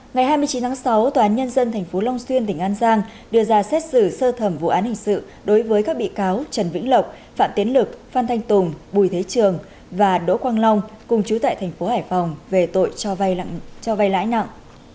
ngày hai mươi chín tháng sáu tòa án nhân dân tp long xuyên tỉnh an giang đưa ra xét xử sơ thẩm vụ án hình sự đối với các bị cáo trần vĩnh lộc phạm tiến lực phan thanh tùng bùi thế trường và đỗ quang long cùng chú tại thành phố hải phòng về tội cho vay cho vay lãi nặng